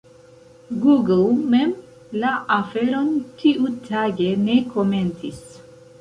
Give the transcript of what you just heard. Google mem la aferon tiutage ne komentis.